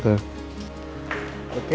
udah boleh dibuka belum